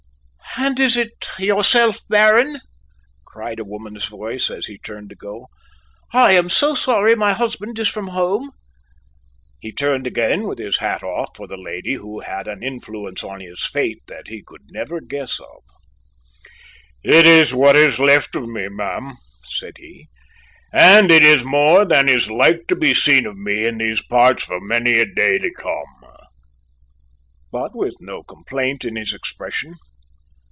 "And is it yourself, Baron?" cried a woman's voice as he turned to go. "I am so sorry my husband is from home." He turned again with his hat off for the lady who had an influence on his fate that he could never guess of. "It is what is left of me, ma'am," said he. "And it is more than is like to be seen of me in these parts for many a day to come," but with no complaint in his expression.